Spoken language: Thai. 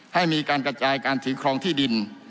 ให้มีการกระจายการถือครองที่ดิน